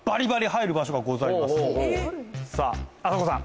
さぁあさこさん